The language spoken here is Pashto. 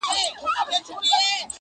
میلمه تر یوې پیالې چای څښلو وروسته